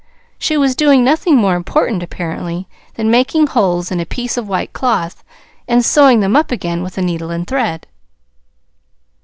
She was doing nothing more important, apparently, than making holes in a piece of white cloth, and sewing them up again with a needle and thread.